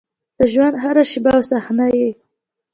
د ژونـد هـره شـيبه او صحـنه يـې